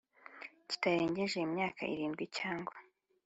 Kitarengeje imyaka irindwi cyangwa